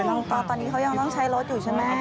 น้องก๊อฟตอนนี้เขายังต้องใช้รถอยู่ใช่ไหม